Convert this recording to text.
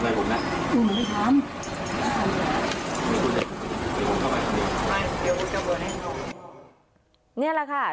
จะพาคุณผู้ชมไปดูบรรยากาศตอนที่เจ้าหน้าที่เข้าไปในบ้าน